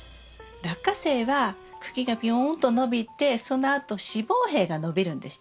ラッカセイは茎がビヨーンと伸びてそのあと子房柄が伸びるんでしたよね？